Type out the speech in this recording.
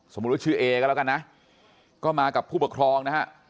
ว่าชื่อเอก็แล้วกันนะก็มากับผู้ปกครองนะฮะ